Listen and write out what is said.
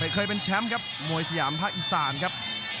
เคยเป็นแชมป์ครับมวยสยามภาคอีสานครับ